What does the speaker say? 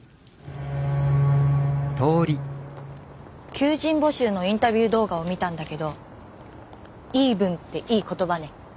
求人募集のインタビュー動画を見たんだけど「イーブン」っていい言葉ね。